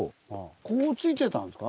こうついてたんですか？